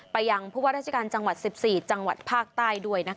ยังผู้ว่าราชการจังหวัด๑๔จังหวัดภาคใต้ด้วย